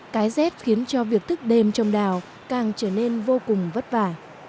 cái rét khiến cho việc thức đêm trong đào càng trở nên vô cùng vất vả